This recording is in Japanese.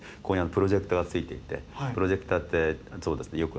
ここにプロジェクターがついていてプロジェクターってそうですね